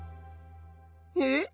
えっ？